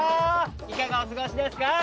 いかがお過ごしですか？